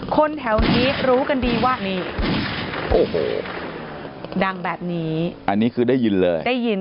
คนแถวนี้รู้กันดีว่านี่โอ้โหดังแบบนี้อันนี้คือได้ยินเลยได้ยิน